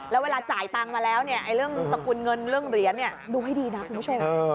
แล้วเวลาจ่ายตังค์มาแล้วเนี่ยเรื่องสกุลเงินเรื่องเหรียญดูให้ดีนะคุณผู้ชม